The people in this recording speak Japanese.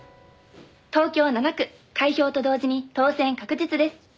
「東京７区開票と同時に当選確実です」